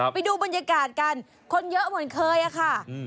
ไปดูบรรยากาศกันคนเยอะเหมือนเคยอะค่ะ